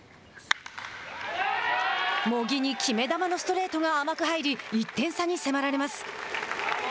茂木に決め球のストレートが甘く入り１点差に迫られます。